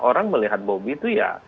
orang melihat bobby itu ya